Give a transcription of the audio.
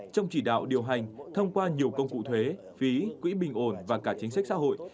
trong chỉ đạo điều hành thông qua nhiều công cụ thuế phí quỹ bình ổn và cả chính sách xã hội